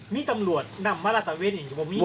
นี่ตำรวจนำมาละตะเวทย์อย่างยังไม่มีครับ